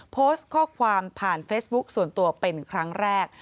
โพสต์ข้อความผ่านเฟซบุ๊คส่วนตัวเป็นครั้งแรก